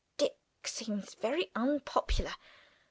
"Dick seems very unpopular.